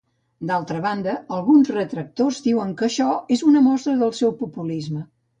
D'altra banda, alguns retractors diuen que això és una mostra del seu populisme.